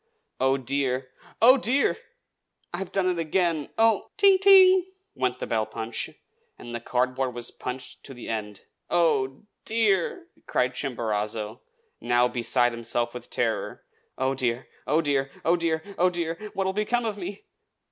Oh, dear! oh, DEAR! I've done it again! oh " "Ting! ting!" went the bell punch; and the cardboard was punched to the end. "Oh, dear!" cried Chimborazo, now beside himself with terror. "Oh, dear! oh, dear! oh, dear! oh, dear!! what will become of me?"